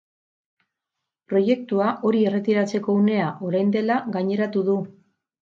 Proiektua hori erretiratzeko unea orain dela gaineratu du.